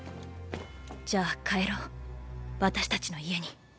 じゃあ帰ろう私たちの家に。